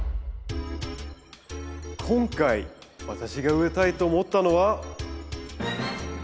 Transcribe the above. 今回私が植えたいと思ったのは。